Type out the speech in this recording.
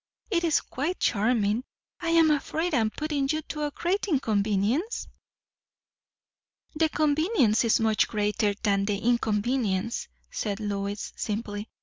It is quite charming. I am afraid I am putting you to great inconvenience?" "The convenience is much greater than the inconvenience," said Lois simply.